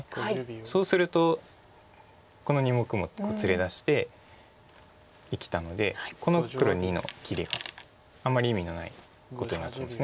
そうするとこの２目も連れ出して生きたのでこの黒②の切りがあんまり意味のないことになってます。